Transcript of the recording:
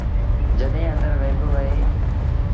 جڏهيݩ آݩدر وهيٚبو اهي۔